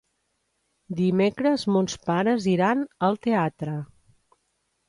Dimecres mons pares iran al teatre.